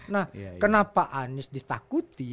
nah kenapa anies ditakuti